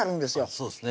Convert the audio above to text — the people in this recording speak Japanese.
そうですね